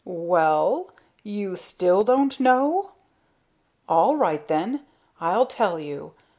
"Well? Well? You still don't know. All right then, I'll tell you.